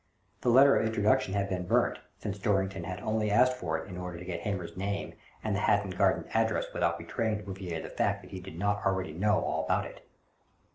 The letter of introduction had been burnt, since Dorrington had only asked for it in order to get Hamer's name and the Hatton Garden address without betraying to Bouvier the fact that he did not already know all about it.